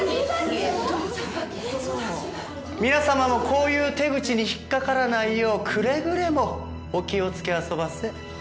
皆様もこういう手口に引っかからないようくれぐれもお気をつけあそばせ。